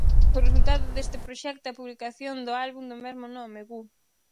O resultado deste proxecto é a publicación do álbum do mesmo nome, "Ghu".